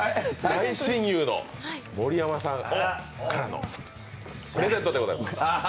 大親友の盛山さんからのプレゼントでございます。